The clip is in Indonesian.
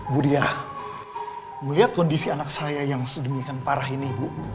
bu dia melihat kondisi anak saya yang sedemikian parah ini